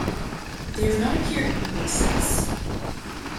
They have not appeared in public since.